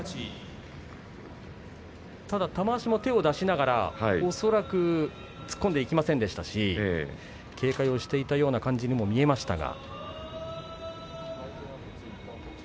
ただ玉鷲も手を出しながら恐らく突っ込んでいきませんでしたし警戒していったような感じにも見えましたが。